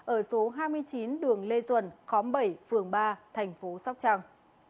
ở số hai mươi chín đường lê duẩn khóm bảy phường ba tp sóc trăng